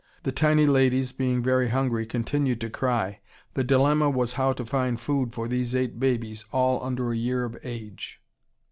The tiny ladies, being very hungry, continued to cry. The dilemma was how to find food for these eight babies, all under a year of age.